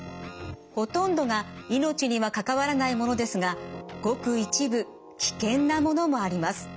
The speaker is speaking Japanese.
ほとんどが命には関わらないものですがごく一部危険なものもあります。